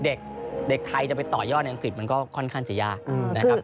เด็กไทยจะไปต่อยอดในอังกฤษมันก็ค่อนข้างจะยากนะครับ